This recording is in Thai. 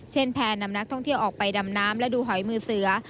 แพร่นำนักท่องเที่ยวออกไปดำน้ำและดูหอยมือเสือ